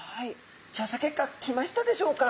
調査結果来ましたでしょうか？